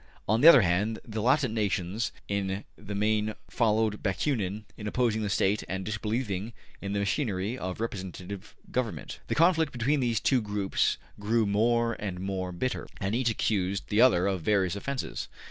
On the other hand, the Latin nations in the main followed Bakunin in opposing the State and disbelieving in the machinery of representative government. The conflict between these two groups grew more and more bitter, and each accused the other of various offenses.